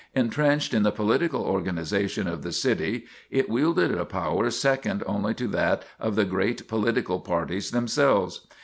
Intrenched in the political organizations of the city, it wielded a power second only to that of the great political parties themselves.